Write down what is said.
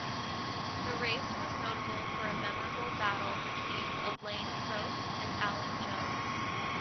The race was notable for a memorable battle between Alain Prost and Alan Jones.